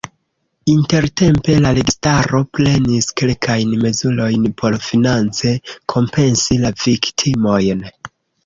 Intertempe la registaro prenis kelkajn mezurojn por finance kompensi la viktimojn.